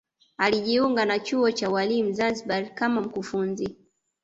alijiunga na chuo cha ualimu zanzibar kama mkufunzi